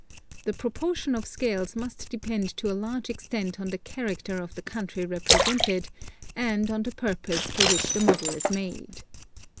The proportion of scales must depend to a large extent on the character of the country represented, and on the purposes for which the model is made.